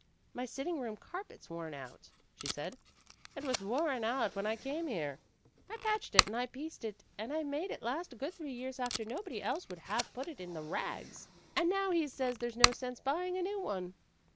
"My sitting room carpet's worn out," she said. "It was worn out when I came here. I patched it and I pieced it and I made it last a good three years after anybody else would have put it in the rags, and now he says there 's no sense buying a new one."